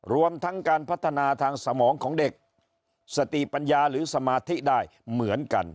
รวมทั้งการพัฒนาทางสมองของเด็กสติปัญญาหรือสมาธิได้เหมือนกัน